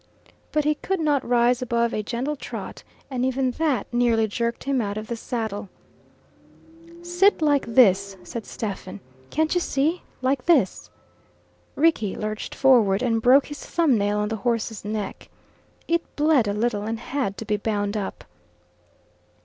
But he could not rise above a gentle trot, and even that nearly jerked him out of the saddle. "Sit like this," said Stephen. "Can't you see like this?" Rickie lurched forward, and broke his thumb nail on the horse's neck. It bled a little, and had to be bound up.